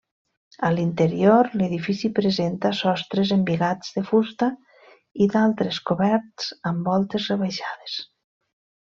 A l'interior, l'edifici presenta sostres embigats de fusta i d'altres coberts amb voltes rebaixades.